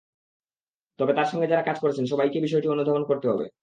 তবে তাঁর সঙ্গে যাঁরা কাজ করছেন, সবাইকে বিষয়টি অনুধাবন করতে হবে।